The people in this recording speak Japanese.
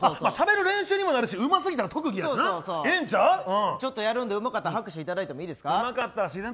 しゃべる練習にもなるしうますぎたら特技やからちょっとやるんでうまかったら拍手をいただいてもいいですか。